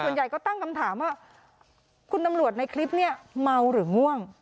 ส่วนใหญ่ก็ตั้งคำถามว่าคุณตำรวจในคลิปเนี่ยเมาหรือง่วง